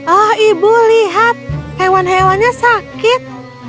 oh ibu lihat hewan hewannya sakit